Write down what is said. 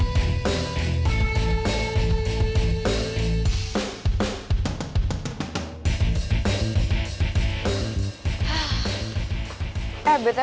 berarahu ya tua abah